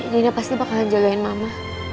dina pasti bakal jagain mama